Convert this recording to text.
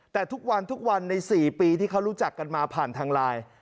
แต่ทุกวันทุกวันใน๔ปีที่เขารู้จักกันมาผ่านทางไลน์